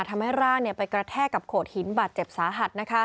ทำให้ร่างไปกระแทกกับโขดหินบาดเจ็บสาหัส